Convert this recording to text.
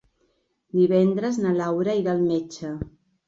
Divendres na Laura irà al metge.